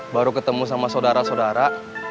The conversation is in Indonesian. baru ketemu sama saudara saudara